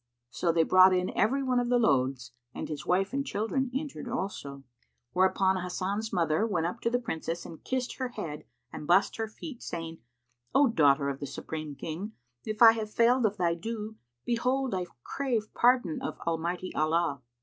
[FN#184] So they brought in every one of the loads, and his wife and children entered also, whereupon Hasan's mother went up to the Princess and kissed her head and bussed her feet, saying, "O daughter of the Supreme King, if I have failed of thy due, behold, I crave pardon of Almighty Allah."